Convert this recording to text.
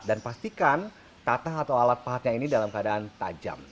dan pastikan tatah atau alat pahatnya ini dalam keadaan tajam